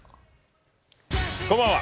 こんばんは。